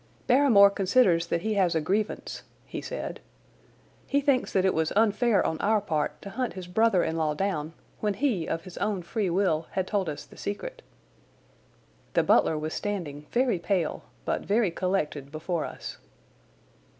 "Barrymore considers that he has a grievance," he said. "He thinks that it was unfair on our part to hunt his brother in law down when he, of his own free will, had told us the secret." The butler was standing very pale but very collected before us.